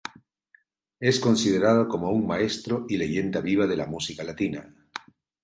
Es considerado como un maestro y leyenda viva de la música latina.